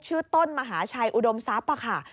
ต้นมหาชัยอุดมทรัพย์ค่ะ